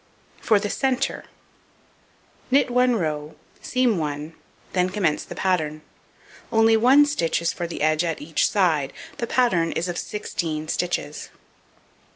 For the centre: Knit 1 row, seam 1, then commence the pattern. Only 1 stitch is for the edge at each side, the pattern is of 16 stitches.